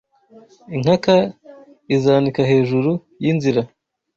Inkaka izanika hejuru y,inzira